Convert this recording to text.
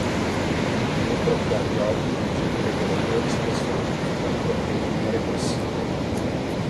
Nei procarioti, i geni regolatori spesso codificano proteine repressive.